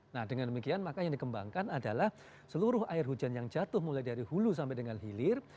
nah dengan demikian maka yang dikembangkan adalah seluruh air hujan yang jatuh mulai dari hulu sampai dengan hilir